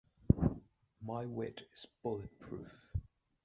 My wit is bullet-proof.